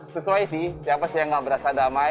sesuai sih siapa sih yang gak berasa damai